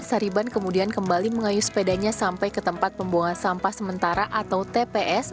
sariban kemudian kembali mengayu sepedanya sampai ke tempat pembuangan sampah sementara atau tps